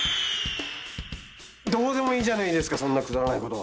どうでもいいじゃないですかそんなくだらないこと。